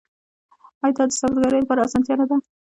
آیا دا د سوداګرۍ لپاره اسانتیا نه ده؟